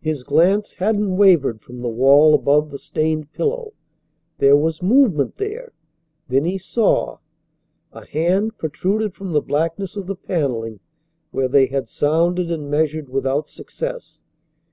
His glance hadn't wavered from the wall above the stained pillow. There was movement there. Then he saw. A hand protruded from the blackness of the panelling where they had sounded and measured without success.